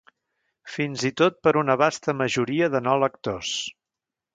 Fins i tot per una vasta majoria de no-lectors.